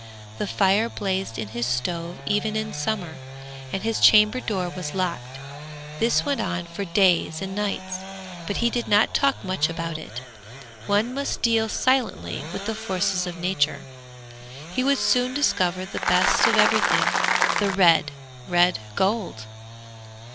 The fire blazed in his stove even in summer, and his chamber door was locked. This went on for days and nights, but he did not talk much about it. One must deal silently with the forces of nature. He would soon discover the best of everything, the red, red gold!